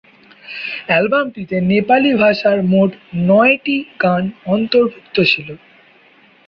অ্যালবামটিতে নেপালি-ভাষার মোট নয়টি গান অন্তর্ভুক্ত ছিল।